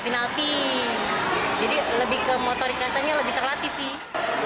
penalti jadi lebih ke motorikasannya lebih terlatih sih